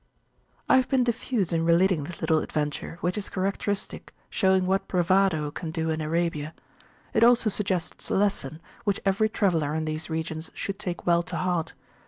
I have been diffuse in relating this little adventure, which is characteristic, showing what bravado can do in Arabia. It also suggests a lesson, which every traveller in these regions should take well to heart.